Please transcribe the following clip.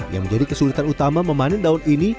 yang menjadi kesulitan utama memanen daun ini